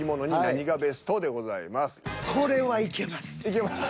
これはいけます。